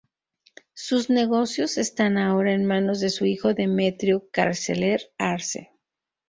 Sus negocios están ahora en manos de su hijo, Demetrio Carceller Arce.